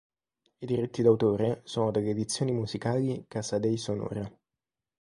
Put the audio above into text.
I diritti d'autore sono delle Edizioni Musicali Casadei Sonora.